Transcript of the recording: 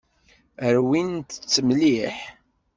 Rwimt-tt mliḥ.